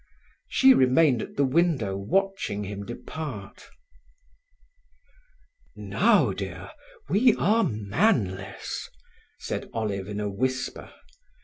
She remained at the window watching him depart. "Now, dear, we are manless," said Olive in a whisper.